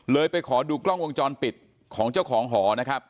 ไปขอดูกล้องวงจรปิดของเจ้าของหอนะครับ